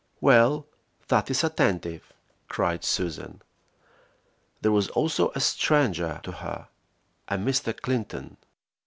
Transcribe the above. "Well, that is attentive!" cried Susan. There was also a stranger to her, a Mr. Clinton.